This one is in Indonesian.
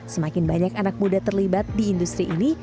semakin banyak anak muda terlibat di industri ini